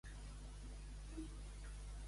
Com es va escriure El Silmaríl·lion?